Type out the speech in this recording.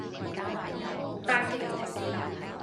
但旣然是吶喊，